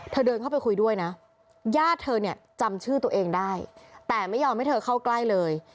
เดินเข้าไปคุยด้วยนะญาติเธอเนี่ยจำชื่อตัวเองได้แต่ไม่ยอมให้เธอเข้าใกล้เลย